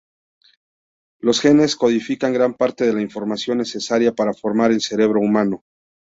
Los genes codifican gran parte de la información necesaria para formar el cerebro humano.